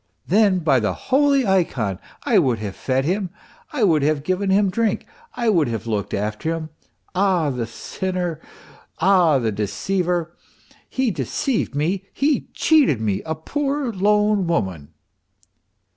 n, by the holy ikon I would have fed him, I would have given him drink, I would have looked after him. Ah, the sinner ! ah, the deceiver ! He deceived me, he cheated me, a poor lone woman